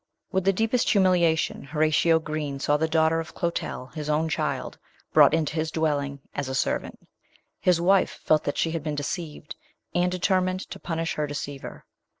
WITH the deepest humiliation Horatio Green saw the daughter of Clotel, his own child, brought into his dwelling as a servant. His wife felt that she had been deceived, and determined to punish her deceiver.